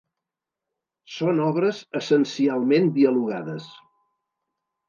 Són obres essencialment dialogades.